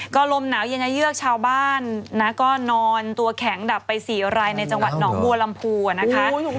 ก็ลมหนาวเย็นเยือกชาวบ้านนะก็นอนตัวแข็งดับไป๔รายในจังหวัดหนองบัวลำพูนะคะ